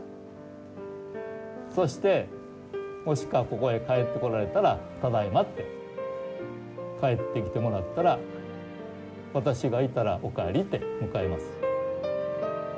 そしてもしくはここへ帰ってこられたら「ただいま」って帰ってきてもらったら私がいたら「おかえり」って迎えます。